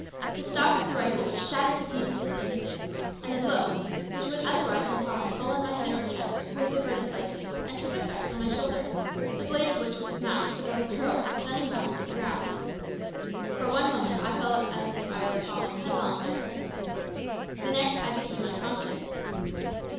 The stock of the rifle was shattered to pieces in an instant, and the blow, which would otherwise have fallen full on my head or chest, was diverted slightly, and took effect on my shoulder, the blade of which was smashed as I was hurled with stunning violence to the ground. For one moment I felt as if I were falling headlong down a precipice; the next, I became unconscious.